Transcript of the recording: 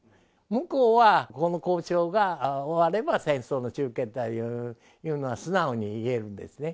向こうは、この交渉が終われば、戦争の終結だというのは素直に言えるんですね。